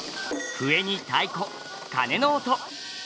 笛に太鼓鉦の音！